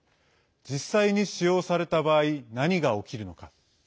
実際に使用された場合何が起きるのか。